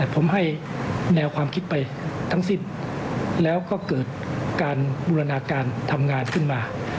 ผมให้แนวความคิดไปทั้งสิ้นแล้วก็เกิดการบูรณาการทำงานขึ้นมา